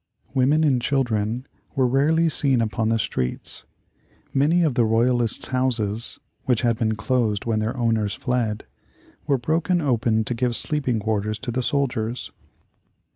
Women and children were rarely seen upon the streets. Many of the royalists' houses, which had been closed when their owners fled, were broken open to give sleeping quarters to the soldiers.